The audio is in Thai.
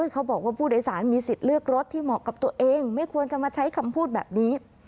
เขาบอกว่าผู้โดยสารมีสิทธิ์เลือกรถที่เหมาะกับตัวเองไม่ควรจะมาใช้คำพูดแบบนี้